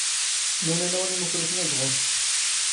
ⵎⴰⵏ ⴰⵏⴰⵡ ⵏ ⵉⵎⵓⴽⵔⵉⵙⵏ ⴰⴷ ⵖⵓⵔⴽ?